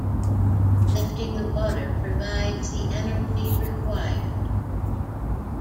Lifting the water provides the energy required.